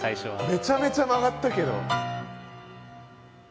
めちゃめちゃ曲がったけど。